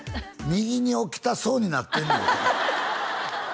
右に置きたそうになってんねん